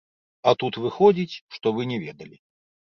А тут выходзіць, што вы не ведалі.